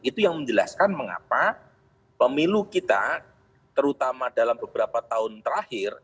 itu yang menjelaskan mengapa pemilu kita terutama dalam beberapa tahun terakhir